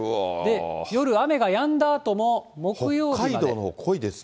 夜、雨がやんだあとも木曜日まで。